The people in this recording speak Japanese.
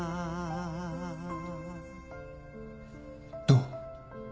どう？